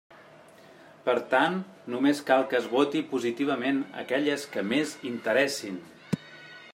Per tant, només cal que es voti positivament aquelles que més interessin.